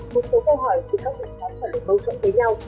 một số câu hỏi của các cục cáo chẳng được bầu thẫn với nhau